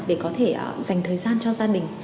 để có thể dành thời gian cho gia đình